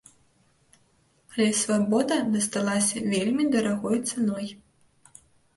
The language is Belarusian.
Але свабода дасталася вельмі дарагой цаной.